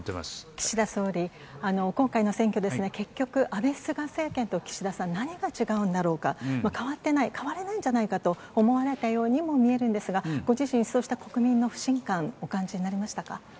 岸田総理、今回の選挙ですが、結局、安倍・菅政権と岸田さん、何が違うんだろうか、変わってない、変わらないんじゃないかと思われたようにも見えるんですが、ご自身、そうした国民の不信感、お感じになりましたか。